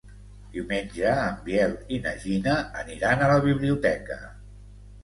Diumenge en Biel i na Gina aniran a la biblioteca.